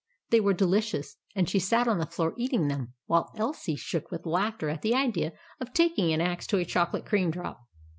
They were delicious ; and she sat on the floor eat ing them, while Elsie shook with laughter at the idea of taking an axe to a chocolate cream drop.